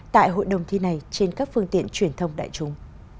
tại hội đồng thi này trên các phương tiện truyền thông đại chúng